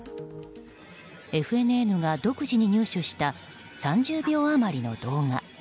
ＦＮＮが独自に入手した３０秒余りの動画。